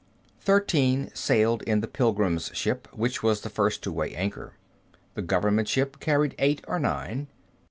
Thirteen sailed in the pilgrims' ship, which was the first to weigh anchor. The government ship carried eight or nine.